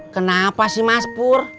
kenapa sih mas pur